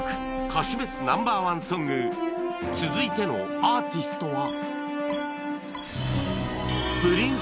歌手別 Ｎｏ．１ ソング続いてのアーティストは